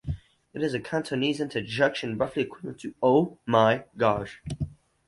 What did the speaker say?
It is a Cantonese interjection roughly equivalent to Oh my gosh!